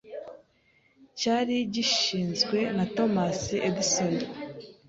cyari gishinzwe na Thomas Edison.